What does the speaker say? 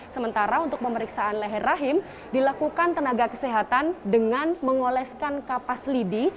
sementara untuk pemeriksaan leher rahim dilakukan tenaga kesehatan dengan mengoleskan kapas lidi